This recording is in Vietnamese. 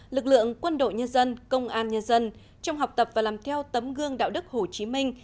lực lượng quân đội nhân dân công an nhân dân trong học tập và làm theo tấm gương đạo đức hồ chí minh